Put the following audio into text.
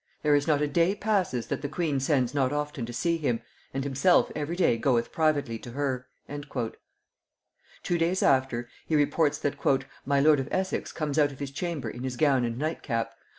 There is not a day passes that the queen sends not often to see him, and himself every day goeth privately to her." Two days after, he reports that "my lord of Essex comes out of his chamber in his gown and night cap....